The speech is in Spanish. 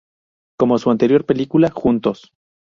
Como su anterior película, "Juntos!